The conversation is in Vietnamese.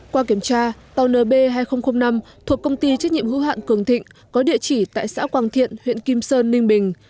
qua kiểm tra tàu nb hai nghìn năm thuộc công ty trách nhiệm hữu hạn cường thịnh có địa chỉ tại xã quang thiện huyện kim sơn ninh bình